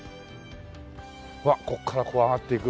うわっここから上がっていく。